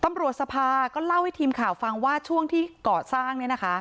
สภาก็เล่าให้ทีมข่าวฟังว่าช่วงที่ก่อสร้างเนี่ยนะคะ